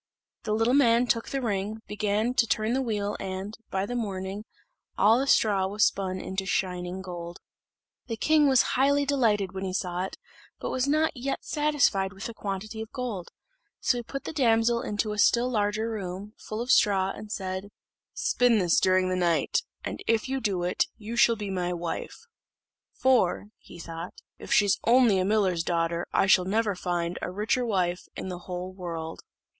The little man took the ring, began to turn the wheel, and, by the morning, all the straw was spun into shining gold. The king was highly delighted when he saw it, but was not yet satisfied with the quantity of gold; so he put the damsel into a still larger room, full of straw, and said, "Spin this during the night; and if you do it, you shall be my wife." "For," he thought, "if she's only a miller's daughter I shall never find a richer wife in the whole world."